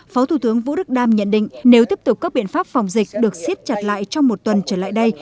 phó thủ tướng vũ đức đam nhận định nếu tiếp tục các biện pháp phòng dịch được xiết chặt lại trong một tuần trở lại đây